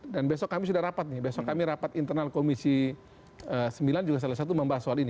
dan besok kami sudah rapat nih besok kami rapat internal komisi sembilan juga salah satu membahas soal ini